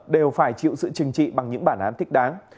đều phải chịu sự chừng trị bằng những bản án thích đáng